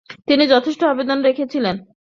তিনি যথেষ্ট অবদান রেখেছিলেন।